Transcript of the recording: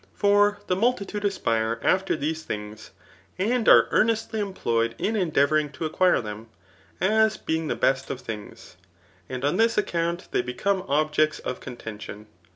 For the multitude aspire after these things, and are ear« nestly employed in endeavouring to acquire them, a$ being the best of things ; and on this accomit they be come objects of contention.